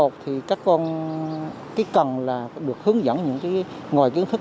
thì các con cái cần là được hướng dẫn những cái ngoài kiến thức